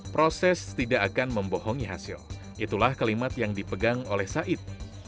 proses tidak akan membohongi hasil itulah kalimat yang dipegang oleh said